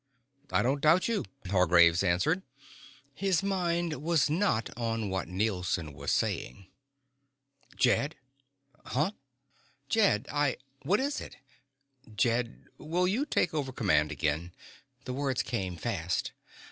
"I don't doubt you," Hargraves answered. His mind was not on what Nielson was saying. "Jed." "Uh?" "Jed. I " "What is it?" "Jed, will you take over command again?" The words came fast.